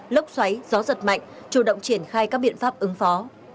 lốc xoáy gió giật mạnh chủ động triển khai các biện pháp ứng phó